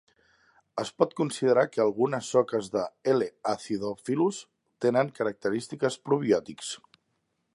Es pot considerar que algunes soques de "L. acidophilus" tenen característiques probiòtics.